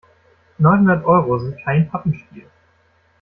Neunhundert Euro sind kein Pappenstiel.